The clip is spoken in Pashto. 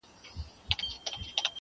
که حوصله مې لوړه دنګه د چناره نه وه